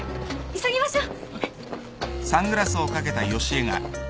急ぎましょう。